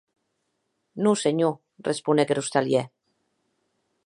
Non senhor, responec er ostalièr.